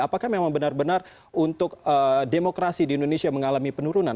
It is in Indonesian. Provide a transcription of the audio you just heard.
apakah memang benar benar untuk demokrasi di indonesia mengalami penurunan